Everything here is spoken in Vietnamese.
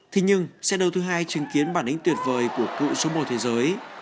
thế nhưng trận đấu thứ hai chứng kiến bản đánh tuyệt vời của cựu số một thế giới